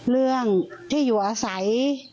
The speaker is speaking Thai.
เรื่องที่อยู่อาศัย